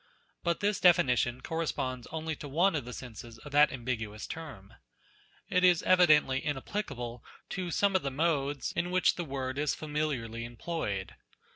But this definition corresponds only to one of the senses of that ambiguous term. It is evidently inapplicable to some of the modes in which the word is familiarly employed.